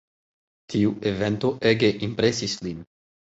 Tiu evento ege impresis lin.